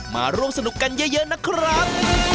มาร่วมสนุกกันเยอะนะครับ